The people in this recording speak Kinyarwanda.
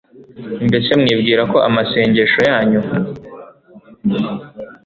Mbese mwibwira ko amasengesho yanyu